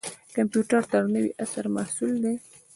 کمپیوټر د نوي عصر محصول دی